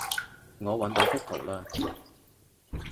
我搵到幅圖喇